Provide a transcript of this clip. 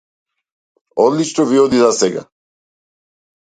Одлично ви оди засега.